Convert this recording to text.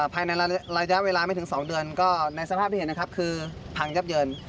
ภายในระยะเวลาไม่ถึง๒เดือนก็ในสภาพที่เห็นนะครับคือพังยับเยิน